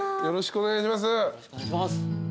よろしくお願いします。